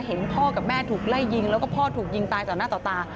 เห็นพ่อกับแม่ถูกไล่ยิงแล้วก็พ่อถูกยิงตายต่อหน้าต่อตา